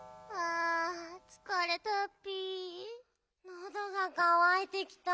のどがかわいてきた。